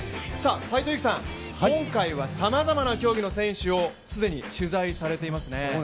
斎藤佑樹さん、今回はさまざまな競技の選手を、すでに取材されていますね。